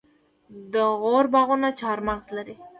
د غور باغونه چهارمغز لري.